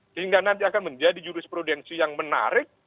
sehingga nanti akan menjadi jurisprudensi yang menarik